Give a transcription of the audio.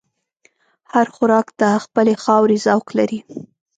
هر خوراک د خپلې خاورې ذوق لري.